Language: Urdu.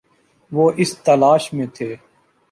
وہ اس تلاش میں تھے